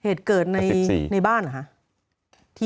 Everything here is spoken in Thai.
เหตุเกิดในบ้านเหรอคะ